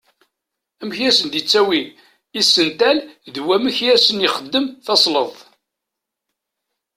Amek i as-d-yettawi isental d wamek i asen-ixeddem tasleḍt.